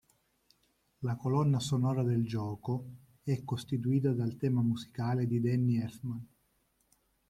La colonna sonora del gioco è costituita dal tema musicale di Danny Elfman.